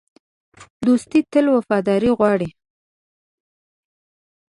دوستي تل وفاداري غواړي.